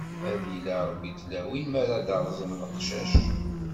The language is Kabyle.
Ad yili Ṛebbi d tlawin, mi ara d-rẓen leqcac.